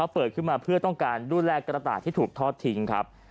เปิดขึ้นมาเพื่อต้องการดูแลกระต่ายที่ถูกทอดทิ้งครับ